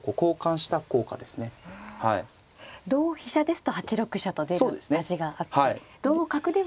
同飛車ですと８六飛車と出る味があって同角では。